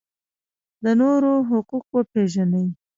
د نورو حقوق وپیژنئ